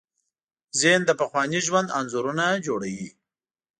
ذهن د پخواني ژوند انځورونه جوړوي.